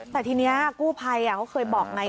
แต่ทีนี้กู้ภัยเขาเคยบอกไง